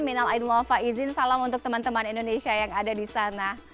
minal ain wafa izin salam untuk teman teman indonesia yang ada di sana